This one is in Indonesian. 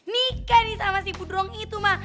nikah nih sama si budrong itu mah